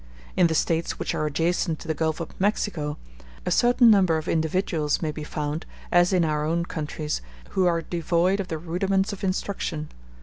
In the States which are adjacent to the Gulf of Mexico, a certain number of individuals may be found, as in our own countries, who are devoid of the rudiments of instruction.